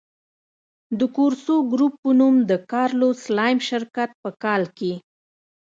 د کورسو ګروپ په نوم د کارلوس سلایم شرکت په کال کې.